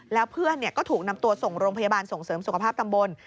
แล้วเพื่อนก็ถูกนำตัวส่งโรงพยาบาลส่งเสริมสุขภาพตำบล